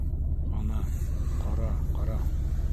Ана, ҡара, ҡара.